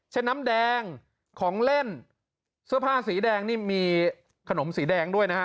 น้ำแดงของเล่นเสื้อผ้าสีแดงนี่มีขนมสีแดงด้วยนะฮะ